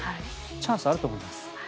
チャンスはあると思います。